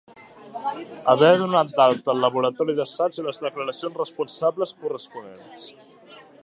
Haver donat d'alta el laboratori d'assaigs i les declaracions responsables corresponents.